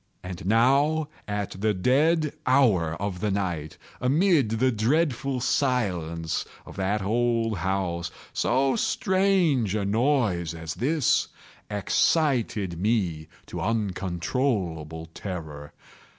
And now at the dead hour of the night, amid the dreadful silence of that old house, so strange a noise as this excited me to uncontrollable terror.